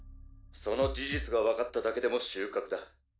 「その事実が分かっただけでも収穫だ」